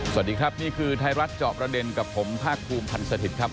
สวัสดีครับนี่คือไทยรัฐเจาะประเด็นกับผมภาคภูมิพันธ์สถิตย์ครับ